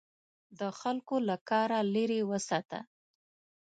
د خلکو له کاره لیرې وساته.